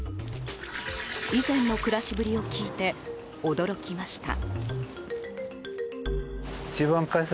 以前の暮らしぶりを聞いて驚きました。